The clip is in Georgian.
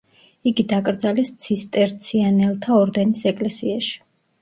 იგი დაკრძალეს ცისტერციანელთა ორდენის ეკლესიაში.